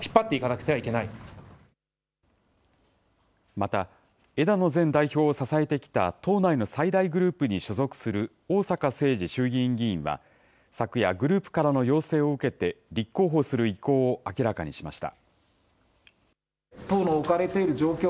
また、枝野前代表を支えてきた党内の最大グループに所属する逢坂誠二衆議院議員は、昨夜、グループからの要請を受けて、立候補する意向を明らかにしました。